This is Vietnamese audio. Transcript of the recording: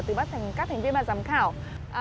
từ các thành viên và giám khảo